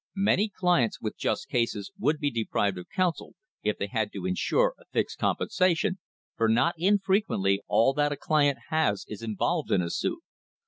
Many clients with just cases would be deprived of counsel if they had to insure a fixed compensation, for not in frequently all that a client has is involved in a suit.